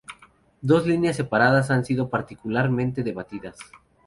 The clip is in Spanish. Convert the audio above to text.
Dos líneas separadas han sido particularmente debatidas.